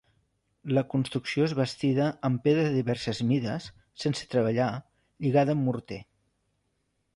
La construcció és bastida amb pedra de diverses mides, sense treballar, lligada amb morter.